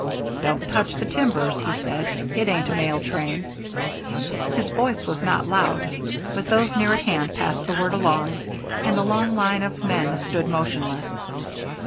"Don't touch the timbers," he said. "It ain't a mail train." His voice was not loud, but those near at hand passed the word along, and the long line of men stood motionless.